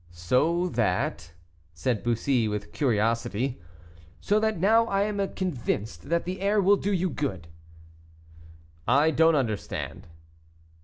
"So that " said Bussy, with curiosity. "So that now I am convinced that the air will do you good." "I do not understand."